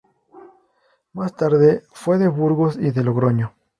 Más tarde fue de Burgos y de Logroño.